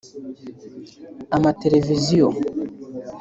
amatelevisiyo